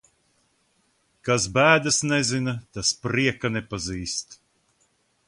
Kas bēdas nezina, tas prieka nepazīst.